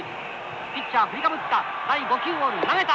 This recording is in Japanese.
ピッチャー振りかぶった。